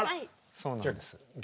そうなんです。